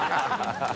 ハハハ